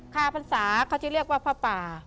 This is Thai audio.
คาพรรษาเขาจะเรียกว่าผ้าป่า